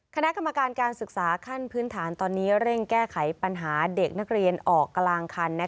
คณะกรรมการการศึกษาขั้นพื้นฐานตอนนี้เร่งแก้ไขปัญหาเด็กนักเรียนออกกลางคัน